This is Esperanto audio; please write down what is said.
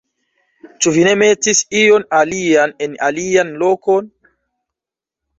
Ĉu vi ne metis ion alian en alian lokon?